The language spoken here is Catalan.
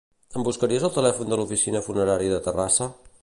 Em buscaries el telèfon de l'oficina funerària de Terrassa?